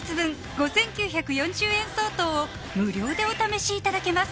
５９４０円相当を無料でお試しいただけます